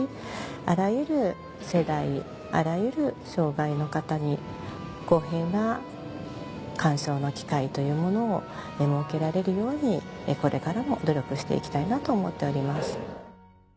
あらゆる世代あらゆる障がいの方に公平な鑑賞の機会というものを設けられるようにこれからも努力していきたいなと思っております。